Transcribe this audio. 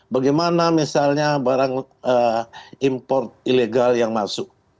bagaimana misalnya barang impor ilegal yang masuk